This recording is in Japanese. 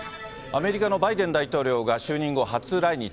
アメリカのバイデン大統領が就任後初来日。